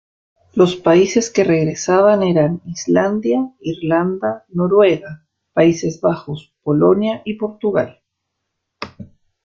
Los países que regresaban eran Islandia, Irlanda, Noruega, Países Bajos, Polonia y Portugal.